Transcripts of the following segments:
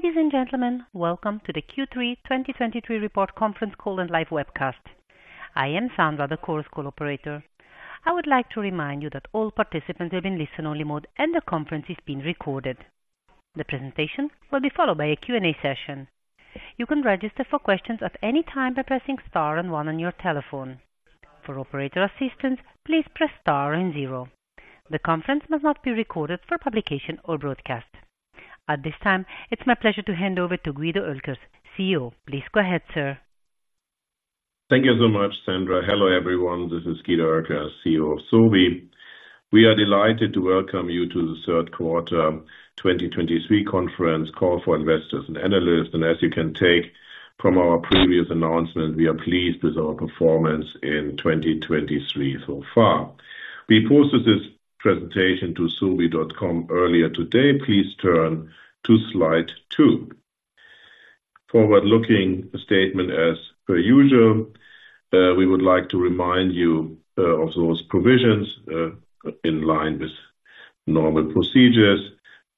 Ladies and gentlemen, welcome to the Q3 2023 report conference call and live webcast. I am Sandra, the Chorus Call operator. I would like to remind you that all participants are in listen-only mode, and the conference is being recorded. The presentation will be followed by a Q&A session. You can register for questions at any time by pressing Star and One on your telephone. For operator assistance, please press Star and Zero. The conference must not be recorded for publication or broadcast. At this time, it's my pleasure to hand over to Guido Oelkers, CEO. Please go ahead, sir. Thank you so much, Sandra. Hello, everyone, this is Guido Oelkers, CEO of Sobi. We are delighted to welcome you to the third quarter 2023 conference call for investors and analysts, and as you can take from our previous announcement, we are pleased with our performance in 2023 so far. We posted this presentation to sobi.com earlier today. Please turn to slide 2. Forward-looking statement as per usual. We would like to remind you of those provisions in line with normal procedures.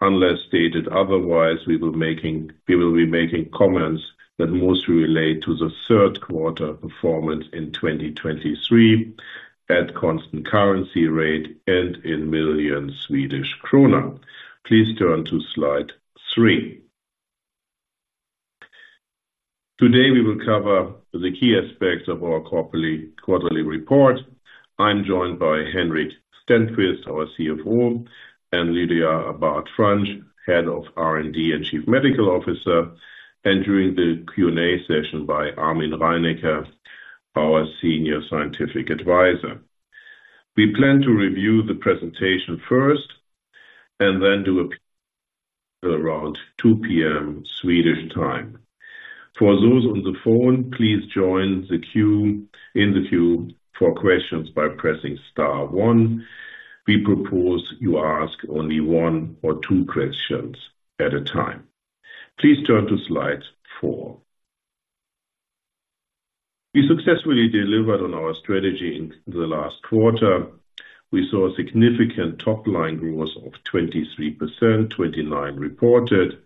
Unless stated otherwise, we will be making comments that mostly relate to the third quarter performance in 2023 at constant currency rate and in million SEK. Please turn to slide 3. Today, we will cover the key aspects of our quarterly report. I'm joined by Henrik Stenqvist, our CFO, and Lydia Abad-Franch, Head of R&D and Chief Medical Officer, and during the Q&A session by Armin Reininger, our Senior Scientific Advisor. We plan to review the presentation first and then do a... around 2:00 P.M. Swedish time. For those on the phone, please join the queue, in the queue for questions by pressing Star One. We propose you ask only one or two questions at a time. Please turn to slide 4. We successfully delivered on our strategy in the last quarter. We saw a significant top line growth of 23%, 29% reported,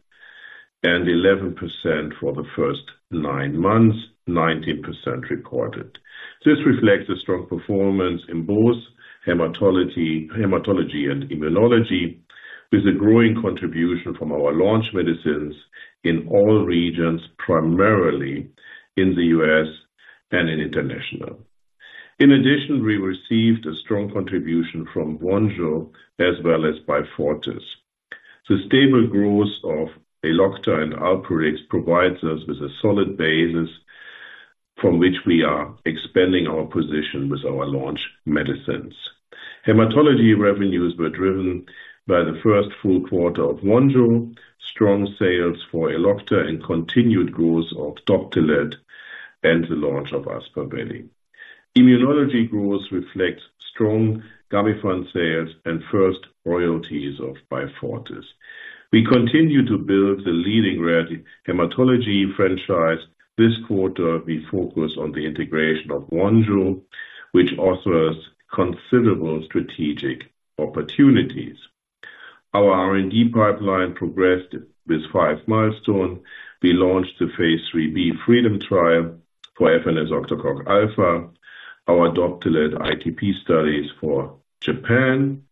and 11% for the first nine months, 19% recorded. This reflects a strong performance in both hematology, hematology and immunology, with a growing contribution from our launch medicines in all regions, primarily in the US and in international. In addition, we received a strong contribution from Vonjo as well as Beyfortus. The stable growth of Elocta and Alprolix provides us with a solid basis from which we are expanding our position with our launch medicines. Hematology revenues were driven by the first full quarter of Vonjo, strong sales for Elocta, and continued growth of Doptelet, and the launch of Aspaveli. Immunology growth reflects strong Gamifant sales and first royalties of Beyfortus. We continue to build the leading rare hematology franchise. This quarter, we focus on the integration of Vonjo, which offers considerable strategic opportunities. Our R&D pipeline progressed with five milestones. We launched the Phase 3 B FREEDOM trial for efanesoctocog alfa, our Doptelet ITP studies for Japan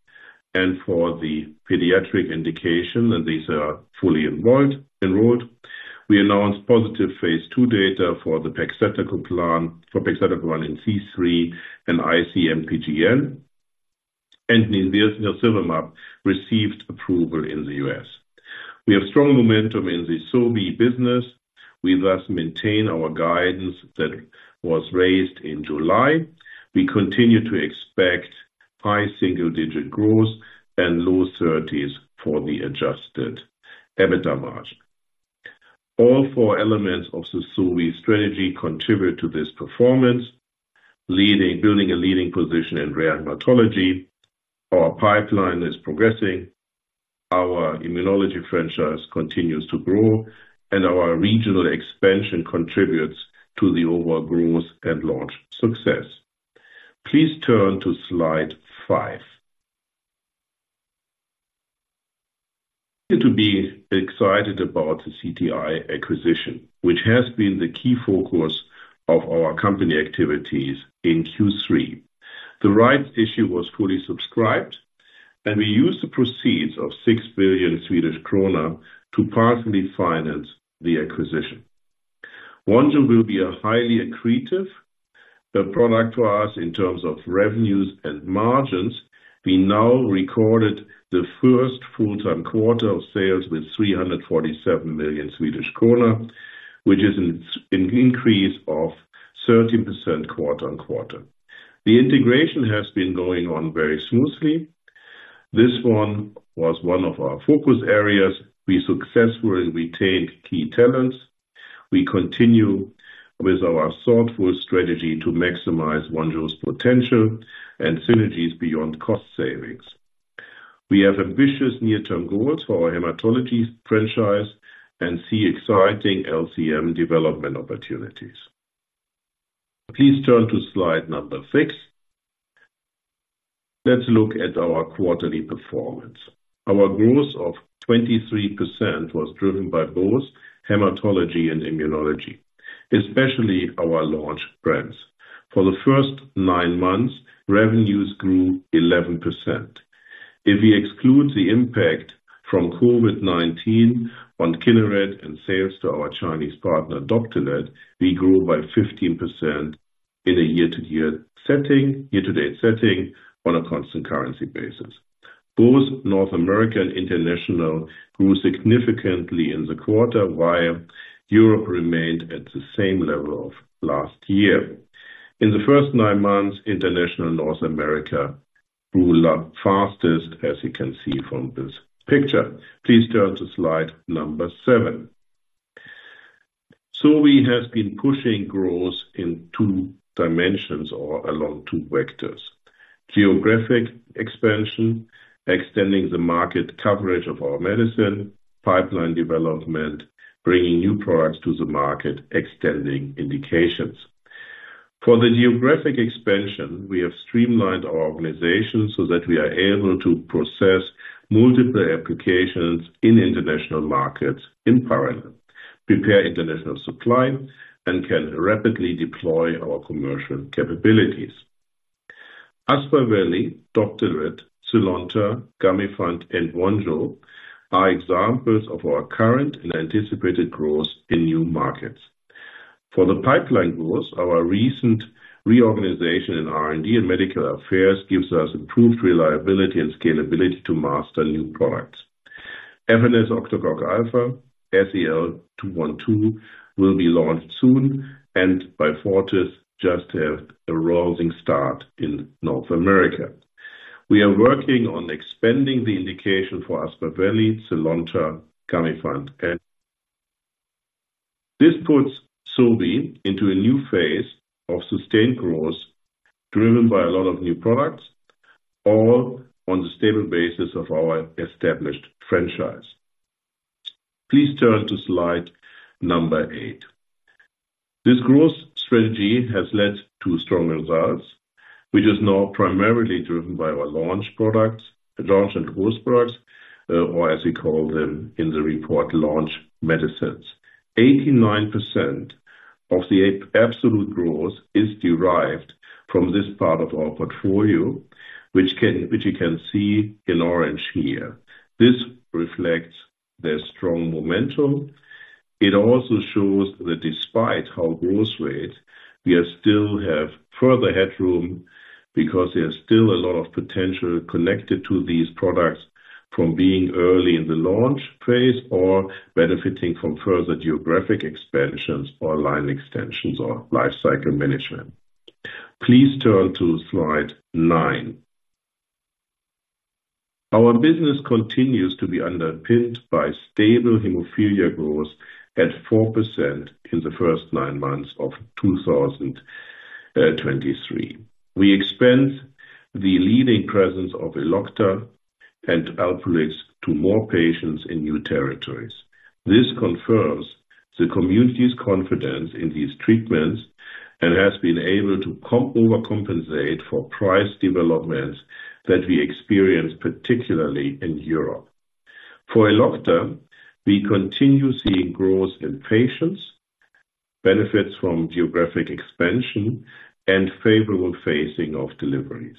and for the pediatric indication, and these are fully enrolled. We announced positive phase two data for the pegcetacoplan, for pegcetacoplan in C3G and IC-MPGN, and nirsevimab received approval in the US. We have strong momentum in the Sobi business. We thus maintain our guidance that was raised in July. We continue to expect high single-digit growth and low thirties for the adjusted EBITDA margin. All four elements of the Sobi strategy contribute to this performance. Leading-- building a leading position in rare hematology. Our pipeline is progressing, our immunology franchise continues to grow, and our regional expansion contributes to the overall growth and launch success. Please turn to slide five. We continue to be excited about the CTI acquisition, which has been the key focus of our company activities in Q3. The rights issue was fully subscribed, and we used the proceeds of 6 billion Swedish krona to partially finance the acquisition. Vonjo will be a highly accretive product for us in terms of revenues and margins. We now recorded the first full quarter of sales with 347 million Swedish kronor, which is an increase of 13% quarter on quarter. The integration has been going on very smoothly. This one was one of our focus areas. We successfully retained key talents. We continue with our thoughtful strategy to maximize Vonjo's potential and synergies beyond cost savings. We have ambitious near-term goals for our hematology franchise and see exciting LCM development opportunities. Please turn to slide 6. Let's look at our quarterly performance. Our growth of 23% was driven by both hematology and immunology, especially our launch brands. For the first nine months, revenues grew 11%. If we exclude the impact from COVID-19 on Kineret and sales to our Chinese partner, Doptelet, we grew by 15% in a year-to-year setting, year-to-date setting on a constant currency basis. Both North America and International grew significantly in the quarter, while Europe remained at the same level of last year. In the first nine months, International North America grew a lot fastest, as you can see from this picture. Please turn to slide number 7. We have been pushing growth in two dimensions or along two vectors. Geographic expansion, extending the market coverage of our medicine, pipeline development, bringing new products to the market, extending indications. For the geographic expansion, we have streamlined our organization so that we are able to process multiple applications in international markets in parallel, prepare international supply, and can rapidly deploy our commercial capabilities. Aspaveli, Doptelet, Zynlonta, Gamifant, and Vonjo are examples of our current and anticipated growth in new markets. For the pipeline growth, our recent reorganization in R&D and medical affairs gives us improved reliability and scalability to master new products. Efanesoctocog alfa, SEL-212 will be launched soon, and Beyfortus just have a rousing start in North America. We are working on expanding the indication for Aspaveli, Zynlonta, Gamifant, and... This puts Sobi into a new phase of sustained growth, driven by a lot of new products, all on the stable basis of our established franchise. Please turn to slide number eight. This growth strategy has led to strong results, which is now primarily driven by our launch products, launch and host products, or as we call them in the report, launch medicines. 89% of the absolute growth is derived from this part of our portfolio, which you can see in orange here. This reflects the strong momentum. It also shows that despite our growth rate, we are still have further headroom because there's still a lot of potential connected to these products from being early in the launch phase, or benefiting from further geographic expansions, or line extensions, or life cycle management. Please turn to slide nine. Our business continues to be underpinned by stable hemophilia growth at 4% in the first nine months of 2023. We expand the leading presence of Elocta and Alprolix to more patients in new territories. This confirms the community's confidence in these treatments and has been able to overcompensate for price developments that we experienced, particularly in Europe. For Elocta, we continue seeing growth in patients, benefits from geographic expansion, and favorable phasing of deliveries.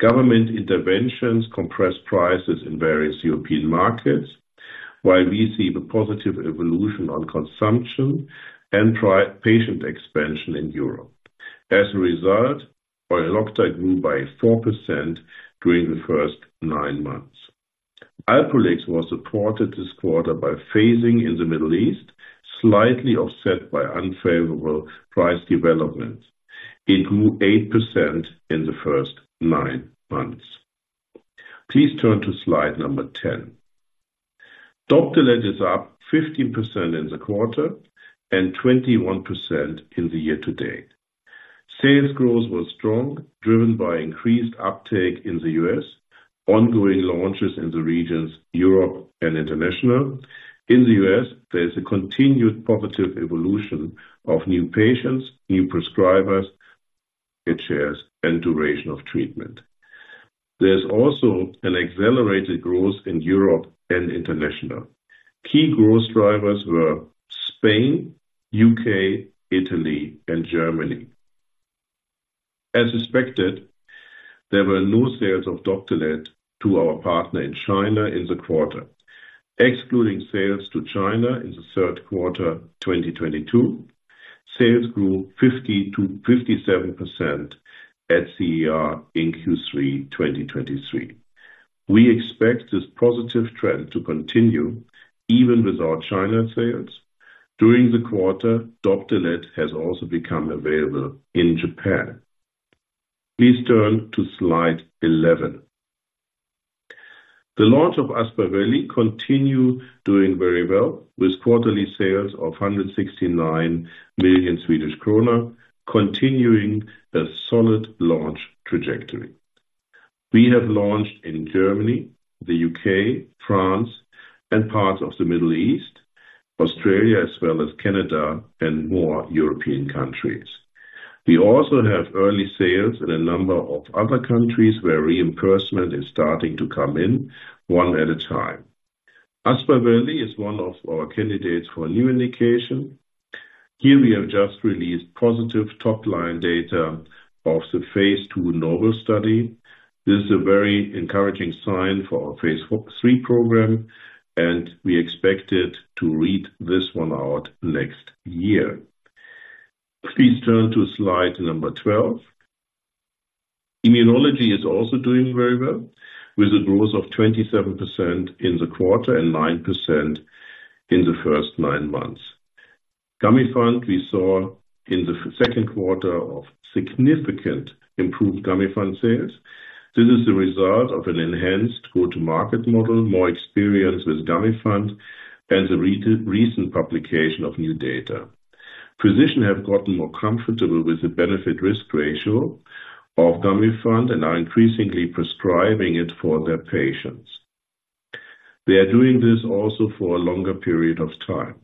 Government interventions compress prices in various European markets, while we see the positive evolution on consumption and patient expansion in Europe. As a result, Elocta grew by 4% during the first nine months. Alprolix was supported this quarter by phasing in the Middle East, slightly offset by unfavorable price developments. It grew 8% in the first nine months. Please turn to slide 10. Doptelet is up 15% in the quarter and 21% in the year to date. Sales growth was strong, driven by increased uptake in the US, ongoing launches in the regions Europe and International. In the US, there is a continued positive evolution of new patients, new prescribers, shares and duration of treatment. There's also an accelerated growth in Europe and International. Key growth drivers were Spain, UK, Italy, and Germany. As expected, there were no sales of Doptelet to our partner in China in the quarter. Excluding sales to China in the third quarter, 2022, sales grew 50%-57% at CER in Q3 2023. We expect this positive trend to continue even without China sales. During the quarter, Doptelet has also become available in Japan. Please turn to slide 11. The launch of Aspaveli continue doing very well, with quarterly sales of 169 million Swedish kronor, continuing a solid launch trajectory. We have launched in Germany, the UK, France, and parts of the Middle East.... Australia, as well as Canada and more European countries. We also have early sales in a number of other countries, where reimbursement is starting to come in one at a time. Aspaveli is one of our candidates for new indication. Here, we have just released positive top line data of the phase two NOBLE study. This is a very encouraging sign for our phase three program, and we expect it to read this one out next year. Please turn to slide number 12. Immunology is also doing very well, with a growth of 27% in the quarter and 9% in the first nine months. Gamifant, we saw in the second quarter of significant improved Gamifant sales. This is the result of an enhanced go-to-market model, more experience with Gamifant, and the recent publication of new data. Physicians have gotten more comfortable with the benefit risk ratio of Gamifant and are increasingly prescribing it for their patients. They are doing this also for a longer period of time.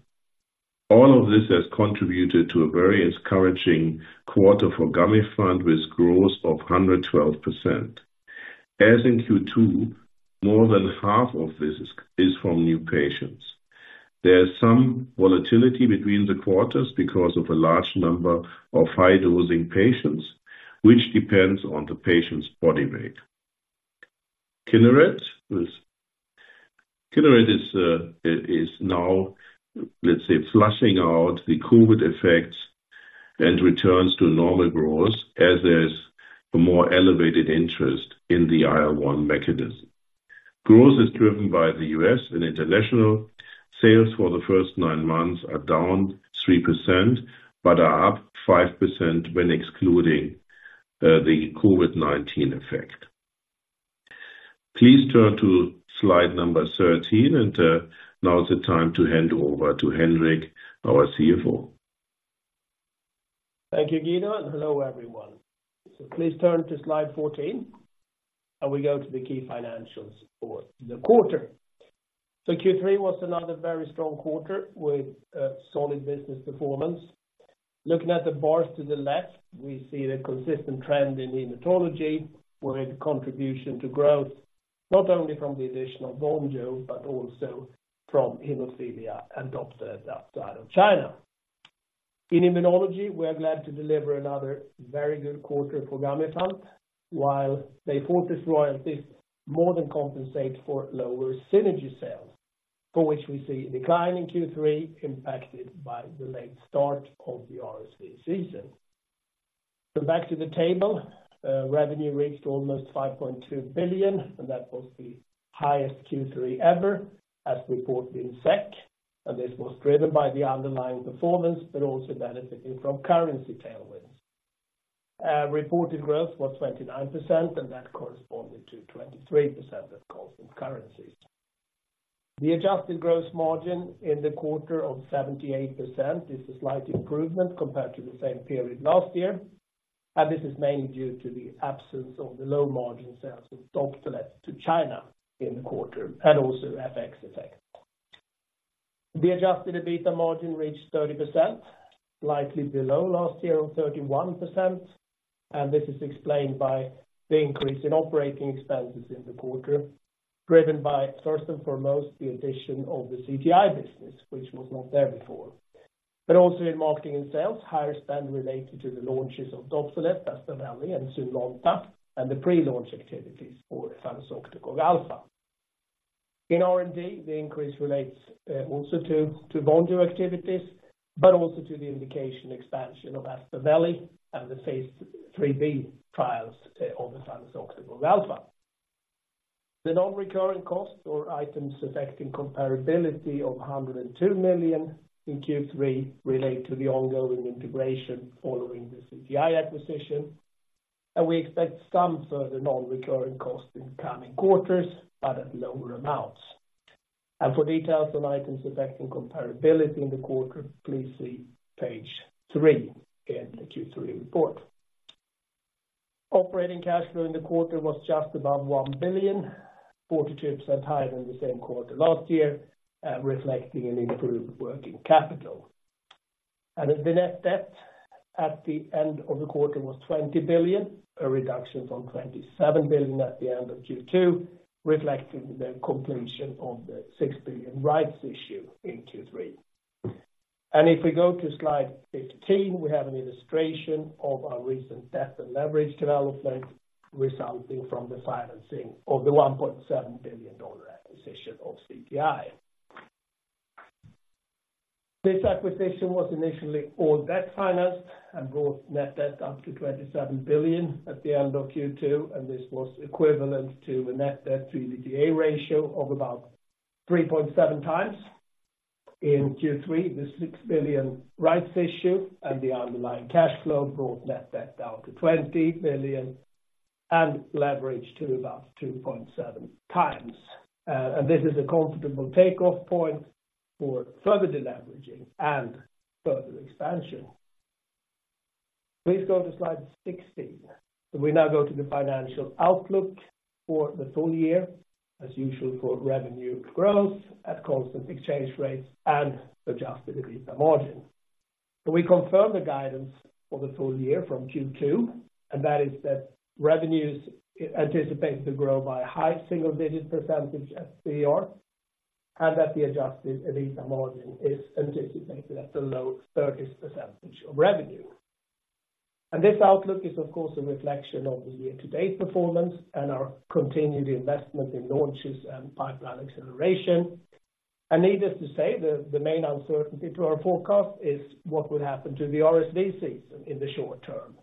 All of this has contributed to a very encouraging quarter for Gamifant, with growth of 112%. As in Q2, more than half of this is from new patients. There is some volatility between the quarters because of a large number of high dosing patients, which depends on the patient's body weight. Kineret is now, let's say, flushing out the COVID effects and returns to normal growth as there's a more elevated interest in the IL-1 mechanism. Growth is driven by the U.S. and international. Sales for the first nine months are down 3%, but are up 5% when excluding the COVID-19 effect. Please turn to slide number 13, and now is the time to hand over to Henrik, our CFO. Thank you, Guido, and hello, everyone. So please turn to slide 14, and we go to the key financials for the quarter. So Q3 was another very strong quarter with solid business performance. Looking at the bars to the left, we see the consistent trend in hematology, where the contribution to growth, not only from the addition of Vonjo, but also from hemophilia and Doptelet, outside of China. In immunology, we are glad to deliver another very good quarter for Gamifant, while the Beyfortus royalties more than compensate for lower synergies sales, for which we see a decline in Q3, impacted by the late start of the RSV season. So back to the table, revenue reached almost 5.2 billion, and that was the highest Q3 ever, as reported in SEK, and this was driven by the underlying performance, but also benefiting from currency tailwinds. Reported growth was 29%, and that corresponded to 23% at constant currency. The adjusted gross margin in the quarter of 78% is a slight improvement compared to the same period last year, and this is mainly due to the absence of the low margin sales of Doptelet to China in the quarter, and also FX effect. The adjusted EBITDA margin reached 30%, slightly below last year on 31%, and this is explained by the increase in operating expenses in the quarter, driven by, first and foremost, the addition of the CTI business, which was not there before. But also in marketing and sales, higher spend related to the launches of Doptelet, Aspaveli, and Zynlonta, and the pre-launch activities for efanesoctocog alfa. In R&D, the increase relates also to volume activities, but also to the indication expansion of Aspaveli and the phase 3b trials on the efanesoctocog alfa. The non-recurring costs or items affecting comparability of 102 million in Q3 relate to the ongoing integration following the CTI acquisition, and we expect some further non-recurring costs in the coming quarters, but at lower amounts. For details on items affecting comparability in the quarter, please see page 3 in the Q3 report. Operating cash flow in the quarter was just above 1 billion, 42% higher than the same quarter last year, reflecting an improved working capital. The net debt at the end of the quarter was 20 billion, a reduction from 27 billion at the end of Q2, reflecting the completion of the 6 billion rights issue in Q3. If we go to slide 15, we have an illustration of our recent debt and leverage development, resulting from the financing of the $1.7 billion acquisition of CTI. This acquisition was initially all debt financed and brought net debt up to 27 billion at the end of Q2, and this was equivalent to the net debt to EBITDA ratio of about 3.7 times. In Q3, the 6 billion rights issue and the underlying cash flow brought net debt down to 20 billion and leverage to about 2.7 times. And this is a comfortable takeoff point for further deleveraging and further expansion.... Please go to slide 16. We now go to the financial outlook for the full year, as usual, for revenue growth at constant exchange rates and adjusted EBITDA margin. We confirm the guidance for the full year from Q2, and that is that revenues are anticipated to grow by high single-digit % at CER, and that the adjusted EBITDA margin is anticipated at the low 30s % of revenue. This outlook is, of course, a reflection of the year-to-date performance and our continued investment in launches and pipeline acceleration. Needless to say, the main uncertainty to our forecast is what will happen to the RSV season in the short term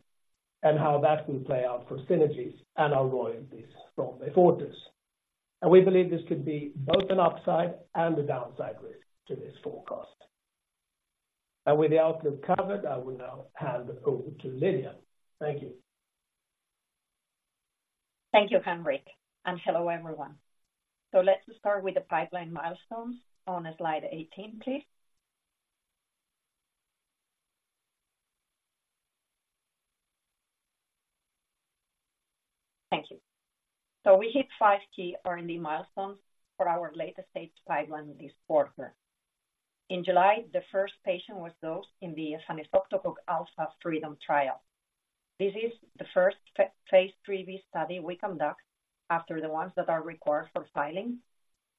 and how that will play out for synergies and our royalties from Beyfortus. We believe this could be both an upside and a downside risk to this forecast. With the outlook covered, I will now hand over to Lydia. Thank you. Thank you, Henrik, and hello, everyone. So let's start with the pipeline milestones on slide 18, please. Thank you. So we hit five key R&D milestones for our latest stage pipeline this quarter. In July, the first patient was dosed in the hemophilia efanesoctocog alfa FREEDOM trial. This is the first phase IIIb study we conduct after the ones that are required for filing,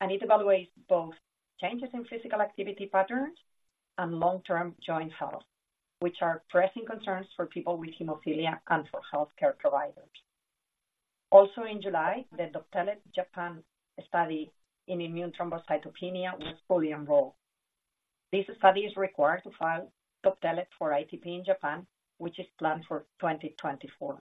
and it evaluates both changes in physical activity patterns and long-term joint health, which are pressing concerns for people with hemophilia and for healthcare providers. Also, in July, the Doptelet Japan study in immune thrombocytopenia was fully enrolled. This study is required to file Doptelet for ITP in Japan, which is planned for 2024.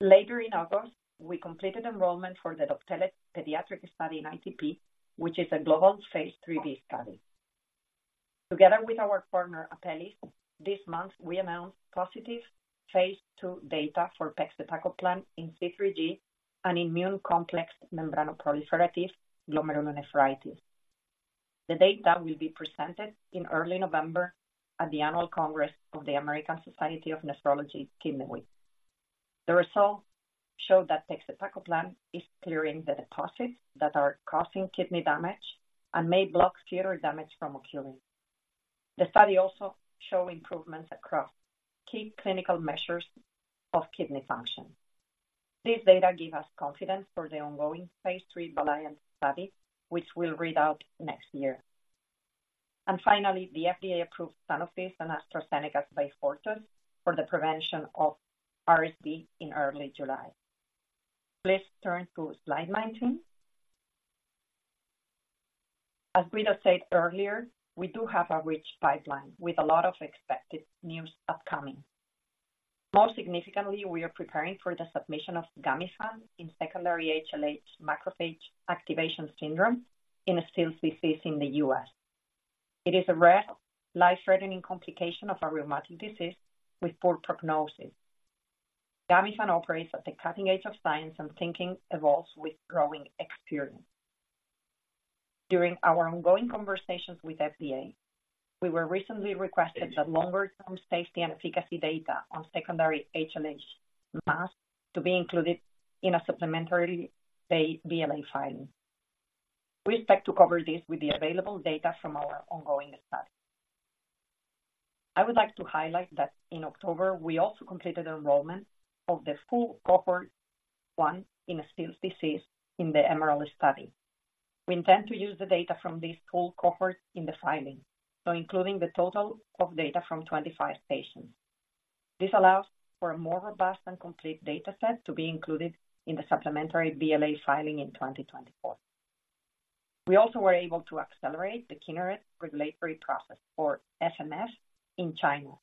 Later in August, we completed enrollment for the Doptelet pediatric study in ITP, which is a global phase IIIb study. Together with our partner, Apellis, this month we announced positive phase II data for pegcetacoplan in C3G and immune complex membranoproliferative glomerulonephritis. The data will be presented in early November at the Annual Congress of the American Society of Nephrology Kidney Week. The results show that pegcetacoplan is clearing the deposits that are causing kidney damage and may block further damage from occurring. The study also show improvements across key clinical measures of kidney function. This data give us confidence for the ongoing phase III VALIANT study, which will read out next year. And finally, the FDA approved Sanofi's and AstraZeneca's Beyfortus for the prevention of RSV in early July. Please turn to slide 19. As Guido said earlier, we do have a rich pipeline with a lot of expected news upcoming. Most significantly, we are preparing for the submission of Gamifant in secondary HLH macrophage activation syndrome in Still's disease in the US. It is a rare, life-threatening complication of a rheumatic disease with poor prognosis. Gamifant operates at the cutting edge of science and thinking evolves with growing experience. During our ongoing conversations with FDA, we were recently requested that longer-term safety and efficacy data on secondary HLH MAS to be included in a supplementary BLA filing. We expect to cover this with the available data from our ongoing study. I would like to highlight that in October, we also completed enrollment of the full cohort 1 in Still's disease in the Emerald study. We intend to use the data from this full cohort in the filing, so including the total of data from 25 patients. This allows for a more robust and complete data set to be included in the supplementary BLA filing in 2024. We also were able to accelerate the Kineret regulatory process for sJIA in China,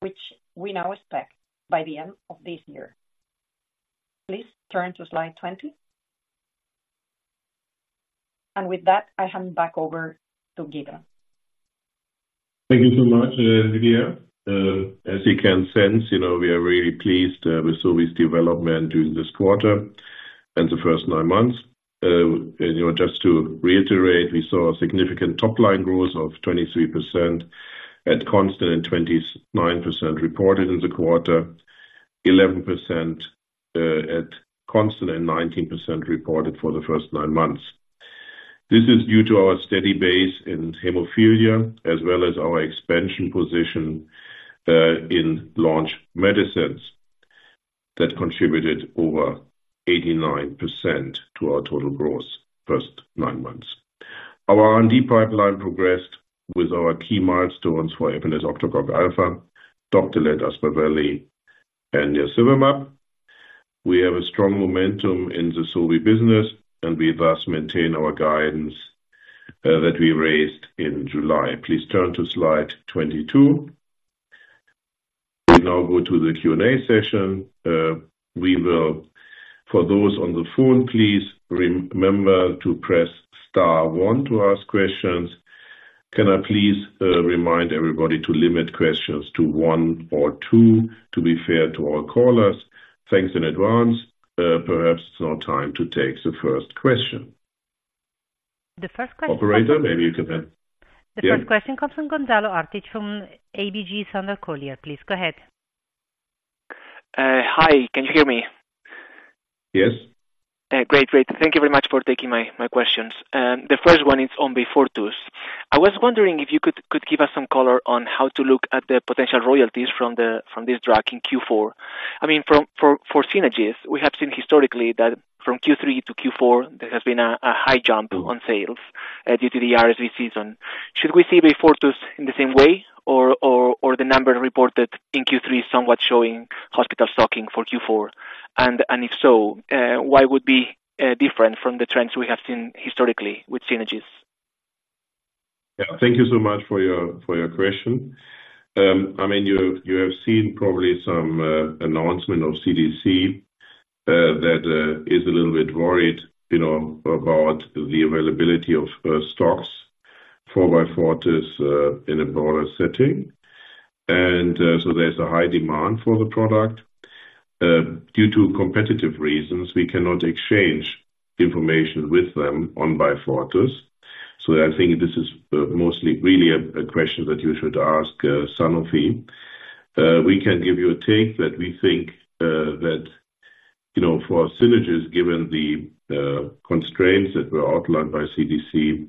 which we now expect by the end of this year. Please turn to slide 20. With that, I hand back over to Guido. Thank you so much, Lydia. As you can sense, you know, we are really pleased with Sobi's development during this quarter and the first nine months. You know, just to reiterate, we saw significant top-line growth of 23% at constant and 29% reported in the quarter, 11% at constant, and 19% reported for the first nine months. This is due to our steady base in hemophilia, as well as our expansion position in launch medicines that contributed over 89% to our total growth first nine months. Our R&D pipeline progressed with our key milestones for efanesoctocog alfa, Doptelet, Aspaveli, and nirsevimab. We have a strong momentum in the Sobi business, and we thus maintain our guidance that we raised in July. Please turn to slide 22. We now go to the Q&A session. We will. For those on the phone, please re-remember to press star one to ask questions. Can I please remind everybody to limit questions to one or two, to be fair to all callers? Thanks in advance. Perhaps it's now time to take the first question.... The first question. Operator, maybe you can- The first question comes from Gonzalo Artiach from ABG Sundal Collier. Please go ahead. Hi, can you hear me? Yes. Great, great. Thank you very much for taking my questions. The first one is on Beyfortus. I was wondering if you could give us some color on how to look at the potential royalties from this drug in Q4. I mean, for synergies, we have seen historically that from Q3 to Q4, there has been a high jump in sales due to the RSV season. Should we see Beyfortus in the same way or the number reported in Q3 somewhat showing hospital stocking for Q4? And if so, why it would be different from the trends we have seen historically with synergies? Yeah. Thank you so much for your, for your question. I mean, you, you have seen probably some announcement of CDC that is a little bit worried, you know, about the availability of stocks for Beyfortus in a broader setting. There's a high demand for the product. Due to competitive reasons, we cannot exchange information with them on Beyfortus, so I think this is mostly really a question that you should ask Sanofi. We can give you a take that we think, you know, for our synergies, given the constraints that were outlined by CDC,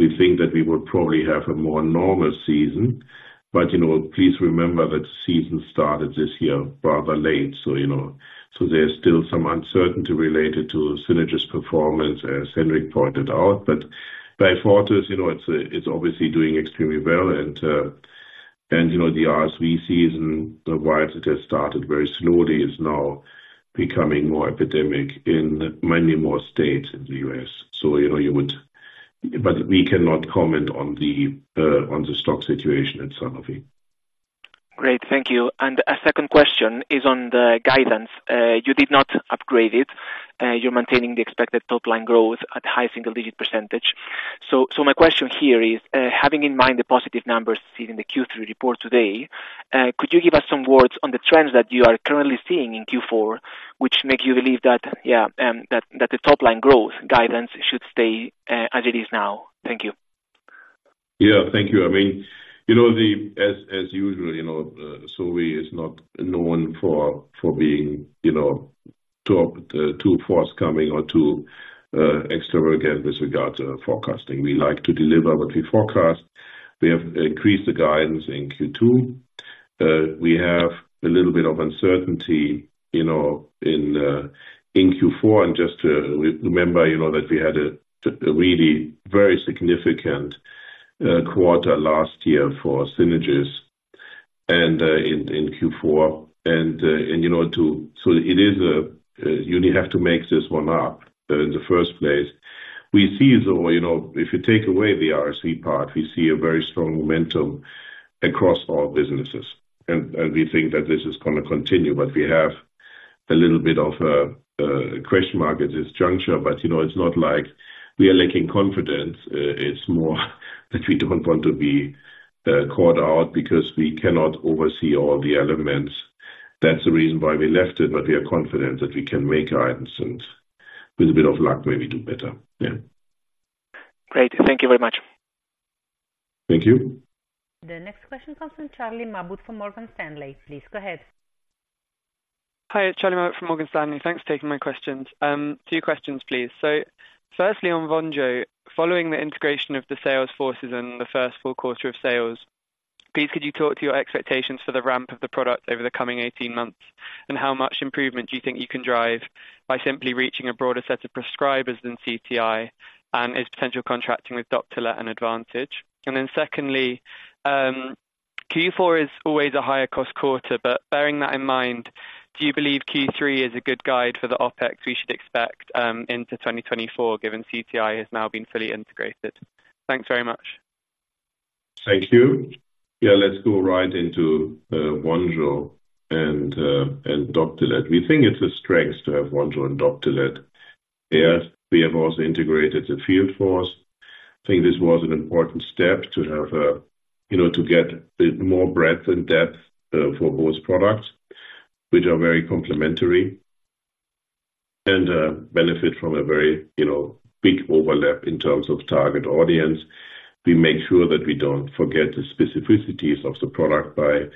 we think that we would probably have a more normal season. But, you know, please remember that season started this year rather late, so, you know, so there's still some uncertainty related to synergies performance, as Henrik pointed out. But Beyfortus, you know, it's, it's obviously doing extremely well. And, and, you know, the RSV season, while it has started very slowly, is now becoming more epidemic in many more states in the U.S. So, you know, you would-- but we cannot comment on the, on the stock situation at Sanofi. Great. Thank you. And a second question is on the guidance. You did not upgrade it. You're maintaining the expected top line growth at high single-digit%. So my question here is, having in mind the positive numbers seen in the Q3 report today, could you give us some words on the trends that you are currently seeing in Q4, which make you believe that the top line growth guidance should stay as it is now? Thank you. Yeah, thank you. I mean, you know, the... As usual, you know, Sobi is not known for being, you know, too forthcoming or too extravagant with regard to forecasting. We like to deliver what we forecast. We have increased the guidance in Q2. We have a little bit of uncertainty, you know, in Q4. And just to remember, you know, that we had a really very significant quarter last year for synergies and in Q4. And, you know, so it is a, you have to make this one up in the first place. We see, though, you know, if you take away the RSV part, we see a very strong momentum across all businesses. We think that this is gonna continue, but we have a little bit of a question mark at this juncture. But, you know, it's not like we are lacking confidence. It's more that we don't want to be caught out because we cannot oversee all the elements. That's the reason why we left it, but we are confident that we can make guidance and with a bit of luck, maybe do better. Yeah. Great. Thank you very much. Thank you. The next question comes from Charles Mayne from Morgan Stanley. Please, go ahead. Hi, Charles Mayne from Morgan Stanley. Thanks for taking my questions. Two questions, please. Firstly, on VONJO, following the integration of the sales forces and the first full quarter of sales, could you talk to your expectations for the ramp of the product over the coming 18 months? How much improvement do you think you can drive by simply reaching a broader set of prescribers than CTI? Is potential contracting with Doptelet an advantage? Secondly, Q4 is always a higher cost quarter, but bearing that in mind, do you believe Q3 is a good guide for the OpEx we should expect into 2024, given CTI has now been fully integrated? Thanks very much. Thank you. Yeah, let's go right into, VONJO and, and Doptelet. We think it's a strength to have VONJO and Doptelet, and we have also integrated the field force. I think this was an important step to have, you know, to get the more breadth and depth, for both products, which are very complementary and, benefit from a very, you know, big overlap in terms of target audience. We make sure that we don't forget the specificities of the product by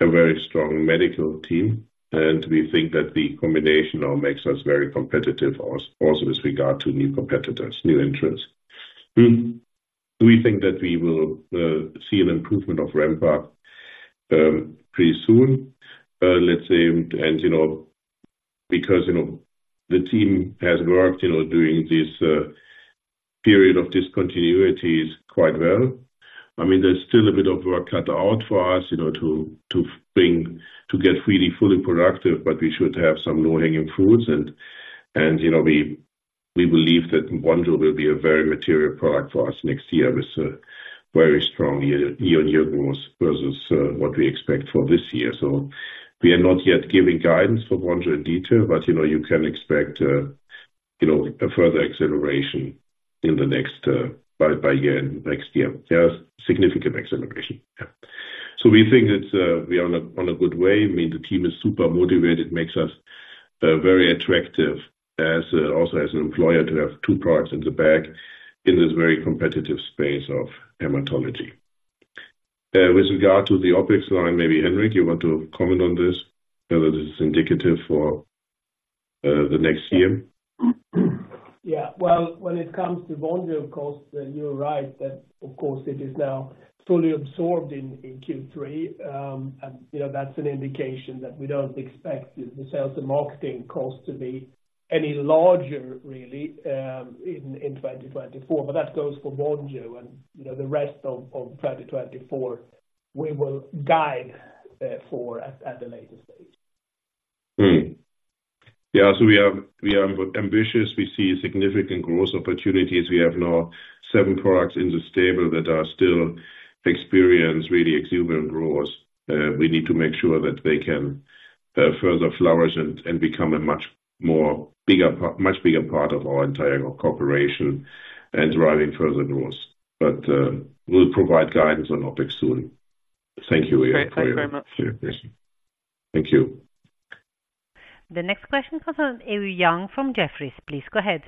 a very strong medical team, and we think that the combination now makes us very competitive also, also with regard to new competitors, new entrants. Mm. We think that we will, see an improvement of ramp-up, pretty soon, let's say, and, you know, because, you know, the team has worked, you know, during this, period of discontinuities quite well. I mean, there's still a bit of work cut out for us, you know, to, to bring, to get really fully productive, but we should have some low-hanging fruits and, and, you know, we, we believe that VONJO will be a very material product for us next year, with a very strong year-on-year growth versus what we expect for this year. We are not yet giving guidance for VONJO in detail, but, you know, you can expect, you know, a further acceleration in the next, by year, next year. There are significant acceleration. Yeah. We think it's, we are on a good way. I mean, the team is super motivated, makes us very attractive as, also as an employer to have two products in the bag in this very competitive space of hematology. With regard to the OpEx line, maybe Henrik, you want to comment on this, whether this is indicative for the next year? Yeah, well, when it comes to volume costs, then you're right, that, of course, it is now fully absorbed in Q3. And, you know, that's an indication that we don't expect the sales and marketing costs to be any larger really in 2024. But that goes for Vonjo and, you know, the rest of 2024, we will guide for at a later stage. Yeah, so we are ambitious. We see significant growth opportunities. We have now seven products in the stable that are still experience really exuberant growth. We need to make sure that they can further flourish and become a much bigger part of our entire corporation and driving further growth. But, we'll provide guidance on OpEx soon. Thank you again. Thank you very much. Yeah. Thank you. The next question comes from Eun Yang from Jefferies. Please go ahead.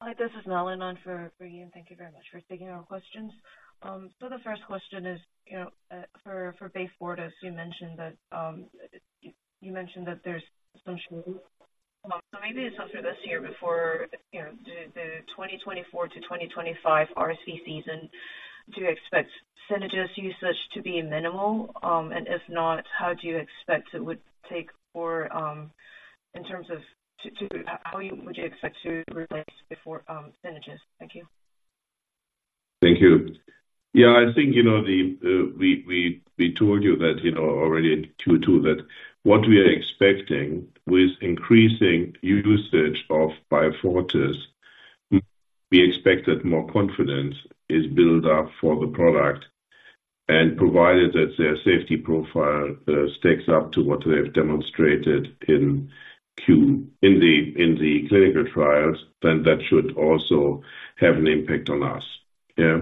Hi, this is Melanie on for Brian. Thank you very much for taking our questions. So the first question is, you know, for Beyfortus, you mentioned that you mentioned that there's some shade. So maybe it's not for this year before, you know, the 2024 to 2025 RSV season. Do you expect synergies usage to be minimal? And if not, how do you expect it would take for, in terms of... How would you expect to replace before synergies. Thank you. Thank you. Yeah, I think, you know, the, we told you thayou know, already in Q2, that what we are expecting with increasing usage of Beyfortus, we expected more confidence is built up for the product. And provided that their safety profile stacks up to what they have demonstrated in the clinical trials, then that should also have an impact on us. Yeah.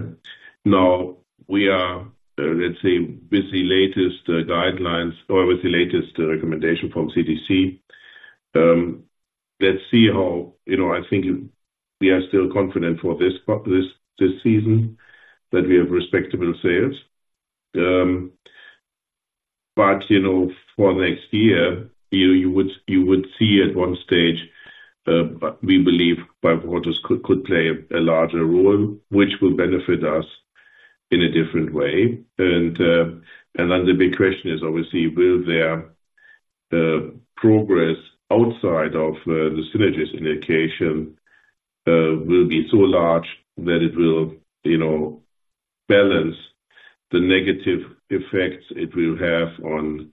Now we are, let's say, with the latest guidelines or with the latest recommendation from CDC, let's see how you know, I think we are still confident for this season, that we have respectable sales. But, you know, for next year, you would see at one stage, but we believe Beyfortus could play a larger role, which will benefit us in a different way. Then the big question is, obviously, will their progress outside of the synergies indication be so large that it will, you know, balance the negative effects it will have on,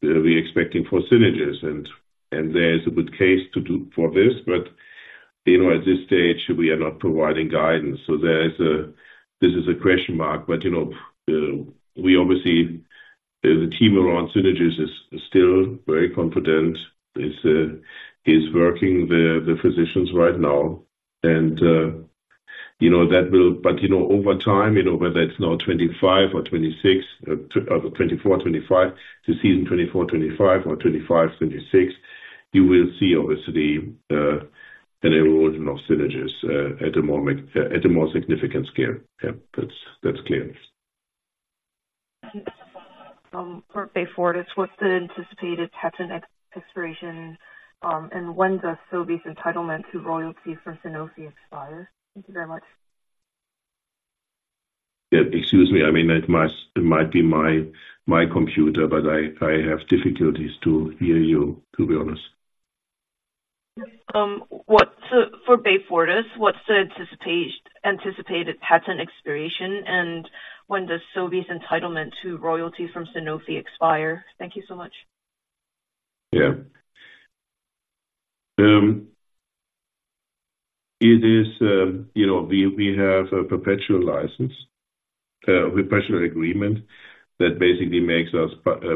we expecting for synergies. There is a good case to do for this, but, you know, at this stage, we are not providing guidance. This is a question mark. But, you know, we obviously, the team around synergies is still very confident. It's working the physicians right now. You know, that will, but, you know, over time, you know, whether it's now 2025 or 2026, 2024-2025, the season 2024-2025 or 2025-2026, you will see obviously an erosion of synergies at a more significant scale. Yeah, that's clear. For Beyfortus, what's the anticipated patent expiration, and when does Sobi's entitlement to royalties from Sanofi expire? Thank you very much. Yeah. Excuse me. I mean, it must, it might be my computer, but I have difficulties to hear you, to be honest. What's for Beyfortus, what's the anticipated patent expiration, and when does Sobi's entitlement to royalties from Sanofi expire? Thank you so much. Yeah. It is, you know, we, we have a perpetual license, perpetual agreement that basically makes us